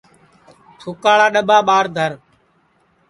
تُھوکاڑا ڈؔٻا ٻار دھر